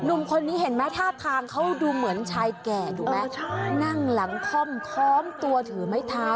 หนุ่มคนนี้เห็นไหมท่าทางเขาดูเหมือนชายแก่ถูกไหมนั่งหลังค่อมค้อมตัวถือไม้เท้า